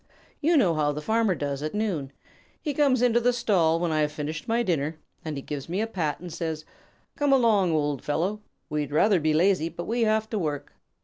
You know how the Farmer does at noon? He comes into the stall when I have finished my dinner, and he gives me a pat and says, 'Come along, old fellow. We'd rather be lazy, but we have to work.'